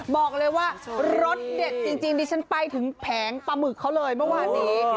บอกเลยว่ารสเด็ดจริงดิฉันไปถึงแผงปลาหมึกเขาเลยเมื่อวานนี้